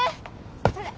それ！